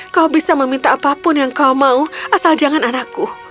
kau bisa minta apa pun yang kau mau asal jangan anakku